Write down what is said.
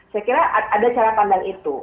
saya kira ada cara pandang itu